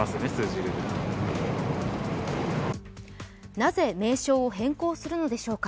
なぜ名称を変更するのでしょうか。